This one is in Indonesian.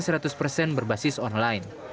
berbasis pendaftaran online